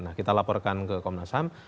nah kita laporkan ke komnas ham